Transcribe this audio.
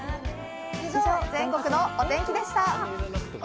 以上、全国のお天気でした。